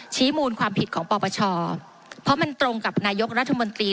ชี้มูลความผิดของปปชเพราะมันตรงกับนายกรัฐมนตรี